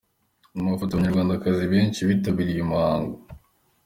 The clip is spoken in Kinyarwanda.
Mu mafoto : Abanyarwandakazi benshi bitabiriye uyu muhango.